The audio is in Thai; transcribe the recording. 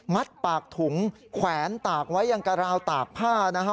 ปากถุงแขวนตากไว้ยังกระราวตากผ้านะฮะ